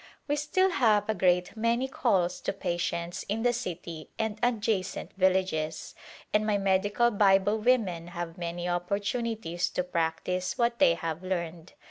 We still have a great many calls to patients in the city and adjacent villages, and my medical Bible women have many opportunities to practice what they have learned.